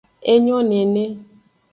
Enyo nene.